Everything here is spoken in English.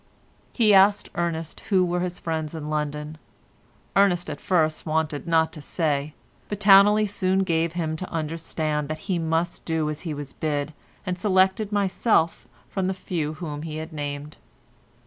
He asked Ernest who were his friends in London. Ernest at first wanted not to say, but Towneley soon gave him to understand that he must do as he was bid, and selected myself from the few whom he had named.